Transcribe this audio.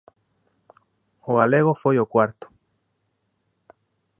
O galego foi o cuarto.